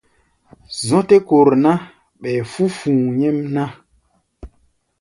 Zɔ̧́ tɛ́ kor ná, ɓɛɛ fú̧ fu̧u̧ nyɛ́mná.